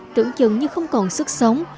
tưởng chứng như không còn sức sống